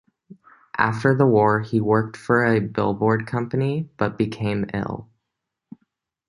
After the war he worked for a billboard company, but became ill.